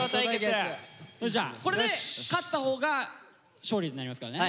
これで勝ったほうが勝利になりますからね。